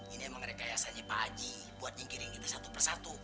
ini emang rekayasanya pak aji buat nyingkirin kita satu persatu